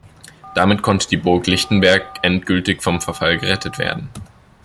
Damit konnte die Burg Lichtenberg endgültig vom Verfall gerettet werden.